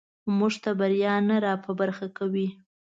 موږ ته بریا نه راپه برخه کوي.